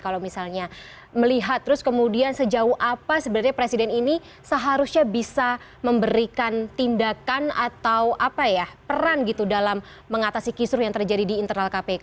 kalau misalnya melihat terus kemudian sejauh apa sebenarnya presiden ini seharusnya bisa memberikan tindakan atau apa ya peran gitu dalam mengatasi kisru yang terjadi di internal kpk